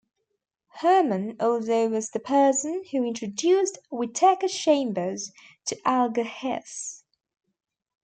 Herrmann also was the person who introduced Whittaker Chambers to Alger Hiss.